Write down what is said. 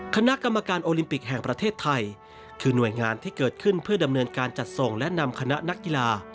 คณะกรรมการโอลิมปิกแห่งประเทศไทยคือหน่วยงานที่เกิดขึ้นเพื่อดำเนินการจัดส่งและนำคณะนักกีฬา